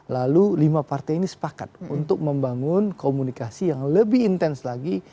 lalu lima partai ini sepakat untuk membangun komunikasi yang lebih intens lagi